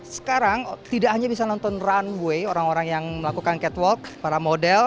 sekarang tidak hanya bisa nonton runway orang orang yang melakukan catwalk para model